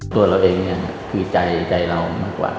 ตัวเราเองคือใจเรามากกว่า